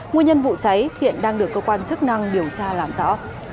nguyên nhân vụ cháy hiện đang được cơ quan chức năng điều tra làm rõ